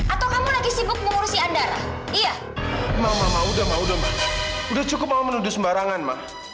atau kamu lagi sibuk mengurusi andara iya udah udah udah cukup menunduk sembarangan mah